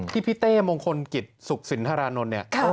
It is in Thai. พี่เต้มงคลกิจสุขสินทรานนท์เนี่ย